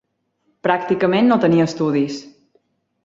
Pràcticament no tenia estudis.